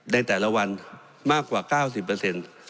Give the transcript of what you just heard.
ในแต่ละวันมากกว่า๙๐เปอร์เซ็นต์